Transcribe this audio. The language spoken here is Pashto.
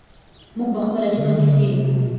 موږ په خپله ژبه کیسې لیکو.